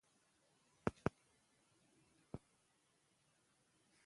باسواده میندې د پاک چاپیریال پلوي دي.